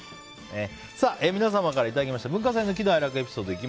皆様からいただいた文化祭の喜怒哀楽エピソード。